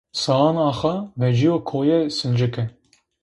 Saan Ağa veciyo Koê Sıncıke.